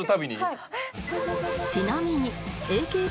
はい。